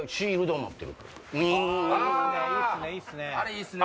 いいっすね。